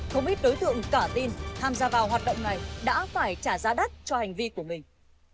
không ít đối tượng cả tin tham gia vào hoạt động này đã phải trả giá đắt cho hành vi của mình